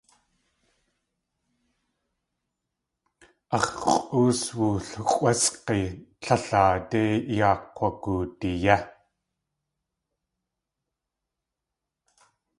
Ax̲ x̲ʼoos wulxʼwásʼg̲i tlél aadé yaa kk̲waagoodi yé.